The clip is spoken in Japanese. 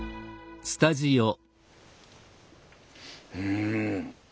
うん。